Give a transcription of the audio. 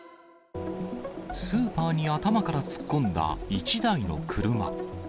スーパーに頭から突っ込んだ１台の車。